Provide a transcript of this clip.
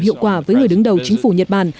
hiệu quả với người đứng đầu chính phủ nhật bản